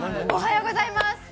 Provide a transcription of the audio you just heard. おはようございます。